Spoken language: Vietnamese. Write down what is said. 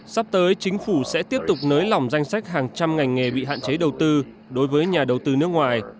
sắp tới chính phủ sẽ tiếp tục nới lỏng danh sách hàng trăm ngành nghề bị hạn chế đầu tư đối với nhà đầu tư nước ngoài